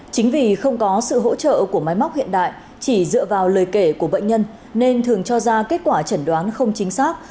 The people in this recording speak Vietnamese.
chính vì không có sự hỗ trợ của máy móc hiện đại chỉ dựa vào lời kể của bệnh nhân nên thường cho ra kết quả chẩn đoán không chính xác